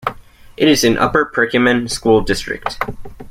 It is in Upper Perkiomen School District.